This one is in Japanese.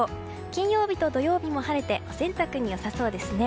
金曜日と土曜日も晴れてお洗濯によさそうですね。